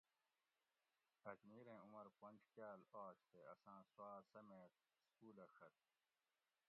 اجمیریں عمر پنج کاۤل آش تے اساۤں سوا سمیٹ سکولہ ڛت